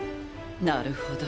なるほど。